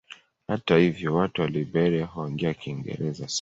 Hata hivyo watu wa Liberia huongea Kiingereza sana.